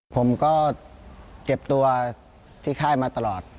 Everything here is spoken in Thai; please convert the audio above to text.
ผมก็เก็บตัวที่ค่ายมาตลอด